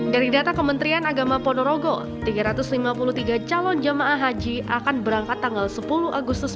dari data kementerian agama ponorogo tiga ratus lima puluh tiga calon jamaah haji akan berangkat tanggal sepuluh agustus